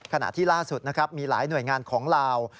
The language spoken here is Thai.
ขณะที่ล่าสุดนะครับมีหลายหน่วยงานของลาว